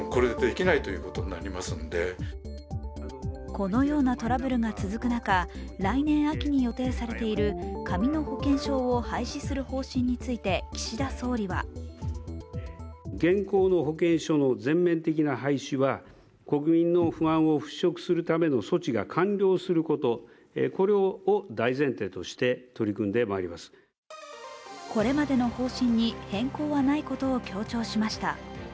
このようなトラブルが続く中、来年秋に予定されている紙の保険証を廃止する方針について岸田総理はこれまでの方針に変更はないことを強調しました。